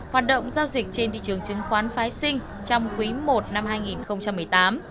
hoạt động giao dịch trên thị trường chứng khoán phái sinh trong quý i năm hai nghìn một mươi tám